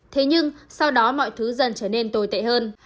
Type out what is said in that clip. thế nhưng sau đó mọi thứ dần trở nên tồi tệ hơn